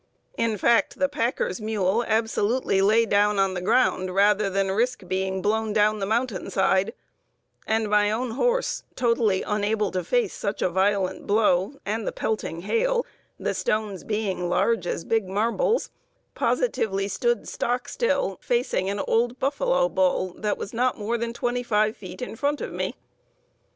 In fact, the packer's mule absolutely lay down on the ground rather than risk being blown down the mountain side, and my own horse, totally unable to face such a violent blow and the pelting hail (the stones being as large as big marbles), positively stood stock still, facing an old buffalo bull that was not more than 25 feet in front of me.